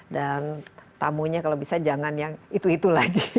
dan tamunya kalau bisa jangan yang itu itu lagi